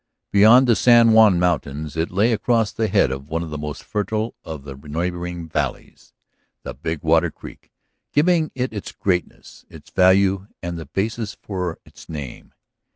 Beyond the San Juan mountains it lay across the head of one of the most fertile of the neighboring valleys, the Big Water Creek giving it its greenness, its value, and the basis for its name.